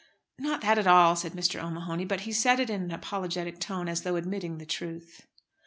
"Not that at all," said Mr. O'Mahony. But he said it in an apologetic tone, as though admitting the truth.